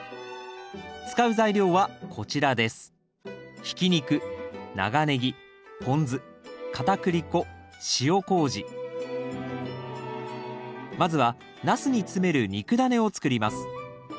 使う材料はこちらですまずはナスに詰める肉だねを作ります。